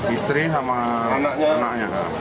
istri sama anaknya